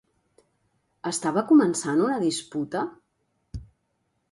Estava començant una disputa?